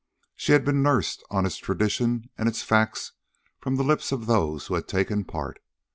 She had been nursed on its traditions and its facts from the lips of those who had taken part.